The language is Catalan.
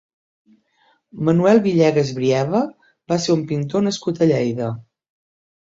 Manuel Villegas Brieva va ser un pintor nascut a Lleida.